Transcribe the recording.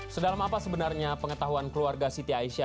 sedalam apa sebenarnya pengetahuan keluarga siti aisyah